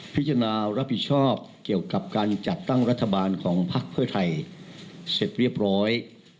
พิจารณารับผิดชอบเกี่ยวกับการจัดตั้งรัฐบาลของภักดิ์เพื่อไทยเสร็จเรียบร้อย